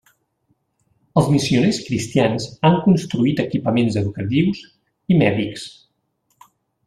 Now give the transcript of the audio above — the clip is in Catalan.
Els missioners cristians han construït equipaments educatius i mèdics.